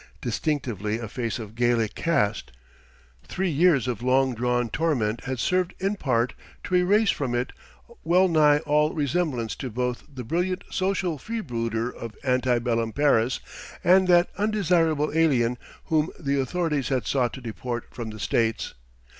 Distinctively a face of Gallic cast, three years of long drawn torment had served in part to erase from it wellnigh all resemblance to both the brilliant social freebooter of ante bellum Paris and that undesirable alien whom the authorities had sought to deport from the States.